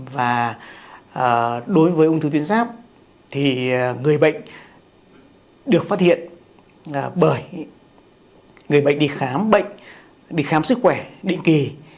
và đối với ung thư tuyến ráp thì người bệnh được phát hiện bởi người bệnh đi khám sức khỏe định kỳ